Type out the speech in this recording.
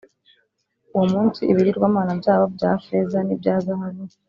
Uwo munsi ibigirwamana byabo bya feza n’ibyazahabu